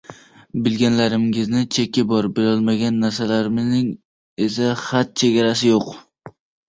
Bilganlarimizning cheki bor, bilolmagan narsalarimizning esa had-chegarasi yo‘q.